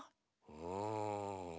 うん？